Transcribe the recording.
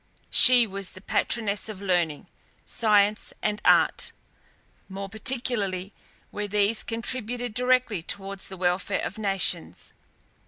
She was the patroness of learning, science, and art, more particularly where these contributed directly towards the welfare of nations.